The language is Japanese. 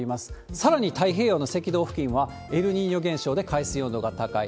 さらに太平洋の赤道付近は、エルニーニョ現象で海水温度が高い。